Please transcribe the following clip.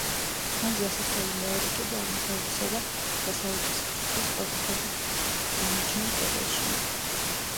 სხვენზე ასასვლელი მეორე კიბე აღმოსავლეთისა და დასავლეთის ფრთის ოთახების გამმიჯნავ კედელშია.